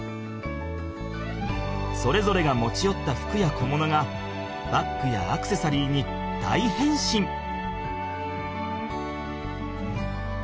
それぞれが持ちよった服や小物がバッグやアクセサリーに大へんしん！